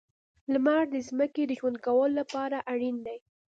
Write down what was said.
• لمر د ځمکې د ژوند کولو لپاره اړین دی.